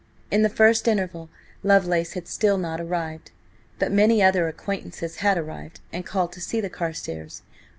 In the first interval Lovelace had still not arrived, but many other acquaintances had arrived and called to see the Carstares.